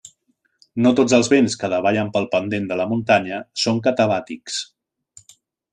No tots els vents que davallen pel pendent de la muntanya són catabàtics.